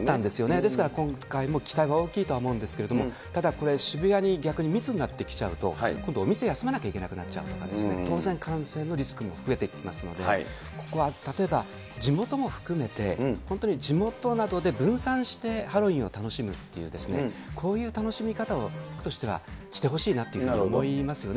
だから今回も期待が大きいとは思うんですけども、ただこれ、渋谷に逆に密になってきちゃうと、今度、お店休まなきゃいけなくなっちゃうとかね、当然、感染のリスクも増えてきますので、ここは例えば地元も含めて、本当に地元などで分散してハロウィーンを楽しむっていう、こういう楽しみ方を私としてはしてほしいと思いますよね。